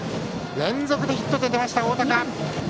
連続でヒットで出ました、大高。